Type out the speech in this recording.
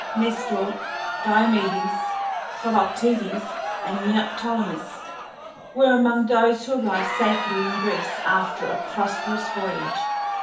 Nestor, Diomedes, Philoctetes, and Neoptolemus were among those who arrived safely in Greece after a prosperous voyage.